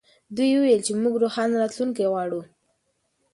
دوی وویل چې موږ روښانه راتلونکې غواړو.